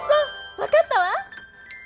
わかったわ！